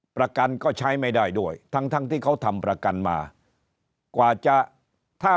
ประกันก็ใช้ไม่ได้ด้วยทั้งทั้งที่เขาทำประกันมากว่าจะถ้า